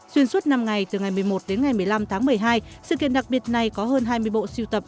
xuyên suốt năm ngày từ ngày một mươi một đến ngày một mươi năm tháng một mươi hai sự kiện đặc biệt này có hơn hai mươi bộ siêu tập